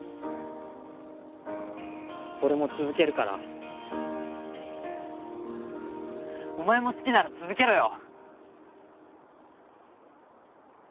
俺も続けるからお前も好きなら続けろよ